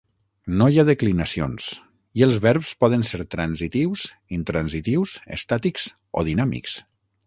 No hi ha declinacions i els verbs poden ser transitius, intransitius, estàtics o dinàmics.